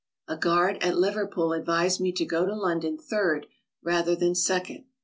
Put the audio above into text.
A guard at Liverpool advised me to go to London third rather than second.